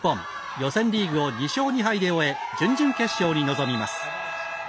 予選リーグを２勝２敗で終え準々決勝に臨みます。